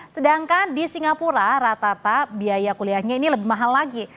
sedangkan di singapura rata rata biaya kuliahnya ini lebih mahal lagi